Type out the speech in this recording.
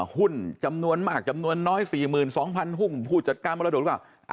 หุ้นจำนวนมากจำนวนน้อย๔๒๐๐หุ้นผู้จัดการมรดกว่า